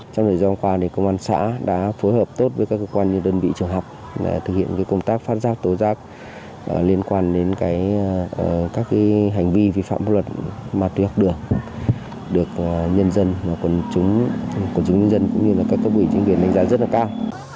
trong thời gian qua công an xã đã phối hợp tốt với các cơ quan như đơn vị trường học để thực hiện công tác phát giác tổ giác liên quan đến các hành vi vi phạm luật mà tuy học được được nhân dân quần chúng quần chúng nhân dân cũng như các cơ quỷ chính quyền đánh giá rất cao